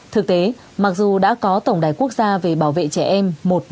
thực tế mặc dù đã có tổng đài quốc gia về bảo vệ trẻ em một trăm một mươi một